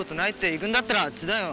行くんだったらあっちだよ。